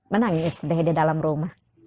menangis bedah di dalam rumah